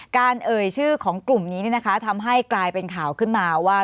เอ่ยชื่อของกลุ่มนี้นะคะทำให้กลายเป็นข่าวขึ้นมาว่า